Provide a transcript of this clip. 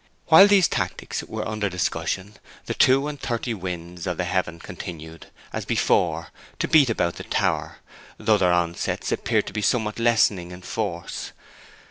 While these tactics were under discussion the two and thirty winds of heaven continued, as before, to beat about the tower, though their onsets appeared to be somewhat lessening in force.